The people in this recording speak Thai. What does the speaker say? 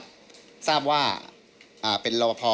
ก็ทราบว่าเป็นรอบพอ